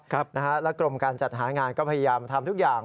และกรมการจัดหางานก็พยายามทำทุกอย่าง